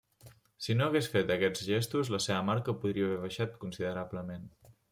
Si no hagués fet aquests gestos, la seva marca podria haver baixat considerablement.